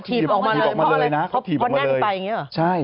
ที่ยุกับออกมาเลยนะเค้าถีบออกมาเลยเยี่ยมไปอย่างนี้เหรอใช่